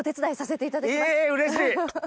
えうれしい！